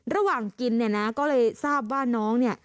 ระหว่างกินก็เลยทราบว่าน้อง